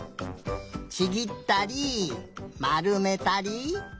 ちぎったりまるめたり。